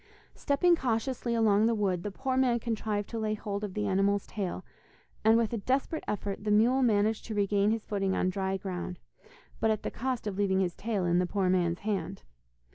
Stepping cautiously along the wood, the poor man contrived to lay hold of the animal's tale, and with a desperate effort the mule managed to regain his footing on dry ground, but at the cost of leaving his tail in the poor man's hand.